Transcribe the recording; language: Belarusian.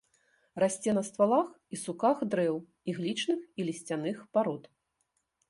Расце на ствалах і суках дрэў іглічных і лісцяных парод.